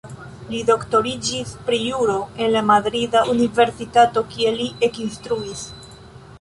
Li doktoriĝis pri Juro en la madrida universitato, kie li ekinstruis.